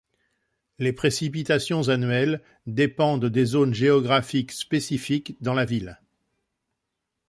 Les précipitations annuelles dépendent des zones géographiques spécifiques dans la ville.